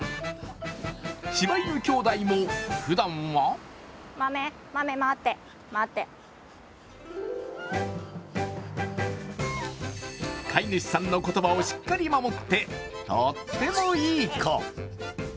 しば犬兄妹もふだんは飼い主さんの言葉をしっかり守ってとってもいい子。